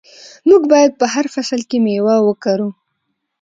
موږ باید په هر فصل کې میوه وکرو.